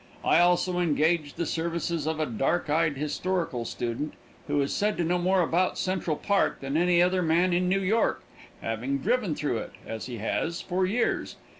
I also engaged the services of a dark eyed historical student, who is said to know more about Central Park than any other man in New York, having driven through it, as he has, for years.